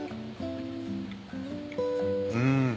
うん。